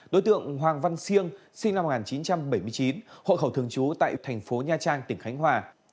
đối tượng hoàng văn siêng sinh năm một nghìn chín trăm bảy mươi chín hộ khẩu thường trú tại thành phố nha trang tỉnh khánh hòa